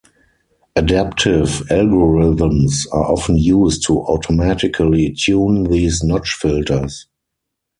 Adaptive algorithms are often used to automatically tune these notch filters.